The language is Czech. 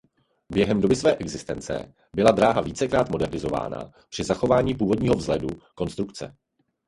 Během doby své existence byla dráha vícekrát modernizována při zachování původního vzhledu konstrukce.